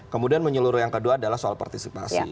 kemudian menyeluruh yang kedua adalah soal partisipasi